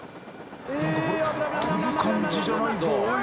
何かこれ飛ぶ感じじゃないぞおい